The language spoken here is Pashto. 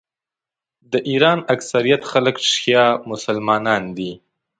د ایران اکثریت خلک شیعه مسلمانان دي.